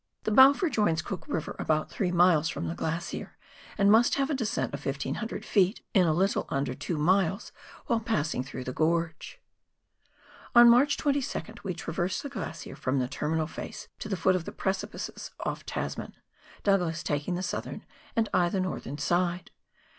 The Balfour joins Cook River about three miles from the glacier, and must have a descent of 1,500 ft. in a little under two miles while passing through the gorge. On March 22nd we traversed the glacier from the terminal face to the foot of the precijaices off Tasraan, Douglas taking the southern and I the northern side.